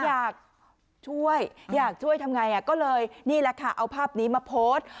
อยากช่วยอยากช่วยทำไงก็เลยนี่แหละค่ะเอาภาพนี้มาโพสต์